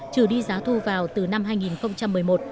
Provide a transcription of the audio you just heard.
trừ đi giá thu vào từ năm hai nghìn một mươi một